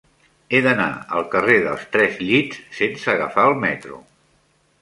He d'anar al carrer dels Tres Llits sense agafar el metro.